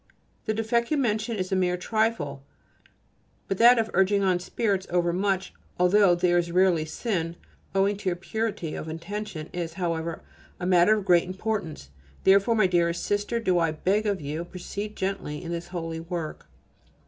The defect you mention is a mere trifle, but that of urging on spirits over much, although there is rarely sin, owing to your purity of intention, is, however, a matter of great importance: therefore, my dearest Sister, do, I beg of you, proceed gently in this holy work.